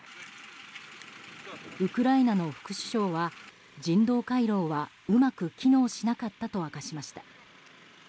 ウクライナの副首相は人道回廊はうまく機能しなかったと明かしました。